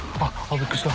びっくりした。